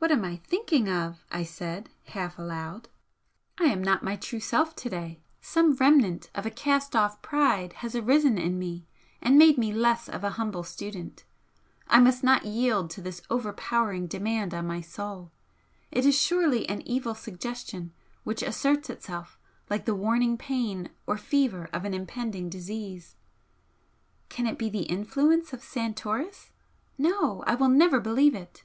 "What am I thinking of!" I said, half aloud "I am not my true self to day, some remnant of a cast off pride has arisen in me and made me less of a humble student. I must not yield to this overpowering demand on my soul, it is surely an evil suggestion which asserts itself like the warning pain or fever of an impending disease. Can it be the influence of Santoris? No! I will never believe it!"